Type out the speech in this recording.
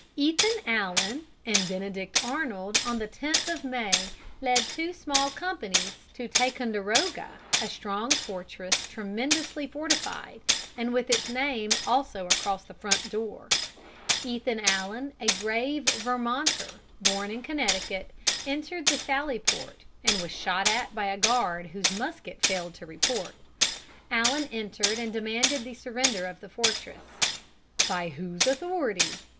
Ethan Allen and Benedict Arnold on the 10th of May led two small companies to Ticonderoga, a strong fortress tremendously fortified, and with its name also across the front door. Ethan Allen, a brave Vermonter born in Connecticut, entered the sally port, and was shot at by a guard whose musket failed to report. Allen entered and demanded the surrender of the fortress. "By whose authority?"